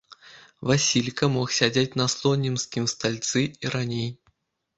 Васілька мог сядзець на слонімскім стальцы і раней.